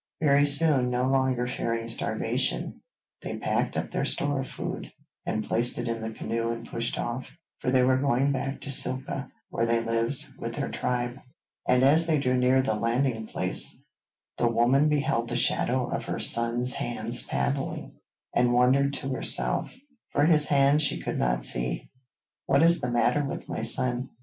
Very soon, no longer fearing starvation, they packed up their store of food and placed it in the canoe and pushed off, for they were going back to Silka where they lived with their tribe. And as they drew near the landing place, the woman beheld the shadow of her son's hands paddling, and wondered to herself, for his hands she could not see. 'What is the matter with my son?'